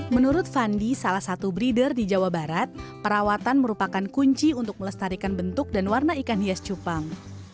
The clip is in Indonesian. menurut fandi salah satu breeder di jawa barat perawatan merupakan kunci untuk melestarikan bentuk dan warna ikan hias cupang